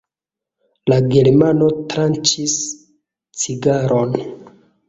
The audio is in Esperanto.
La germano tranĉis cigaron.